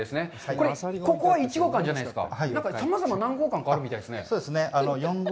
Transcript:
これ、ここは１号館じゃないですか？